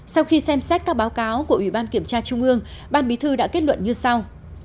sau khi xem xét các báo cáo của ủy ban kiểm tra trung ương ban bí thư đã kết luận như sau